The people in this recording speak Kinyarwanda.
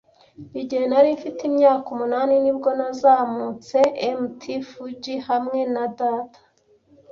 Igihe nari mfite imyaka umunani, ni bwo nazamutse Mt. Fuji hamwe na data.